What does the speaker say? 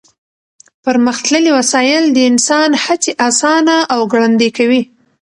پرمختللې وسایل د انسان هڅې اسانه او ګړندۍ کوي.